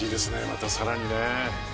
またさらに。